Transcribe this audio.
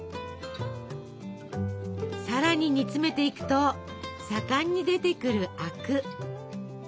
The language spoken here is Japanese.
さらに煮つめていくと盛んに出てくるあく。